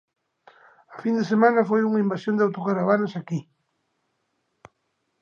A fin de semana foi unha invasión de autocaravanas aquí.